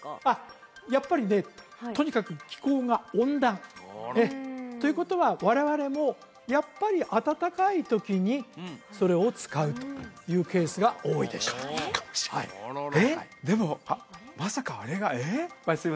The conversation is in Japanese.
あっやっぱりねとにかく気候が温暖ということは我々もやっぱり暖かいときにそれを使うというケースが多いでしょう分かったかもしれないえっ？